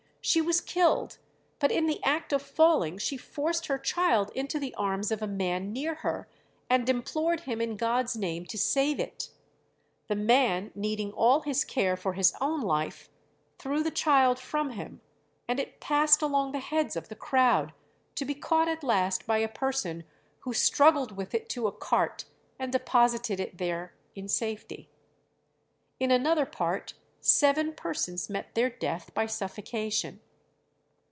She was killed, but in the act of falling she forced her child into the arms of a man near her, and implored him in God's name to save it; the man, needing all his care for his own life, threw the child from him, and it passed along the heads of the crowd, to be caught at last by a person who struggled with it to a cart and deposited it there in safety. In another part seven persons met their death by suffocation.